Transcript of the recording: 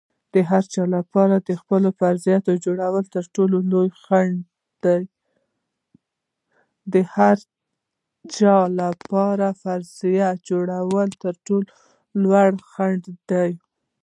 د هر څه لپاره خپله فرضیه جوړول تر ټولو لوی خنډ دی.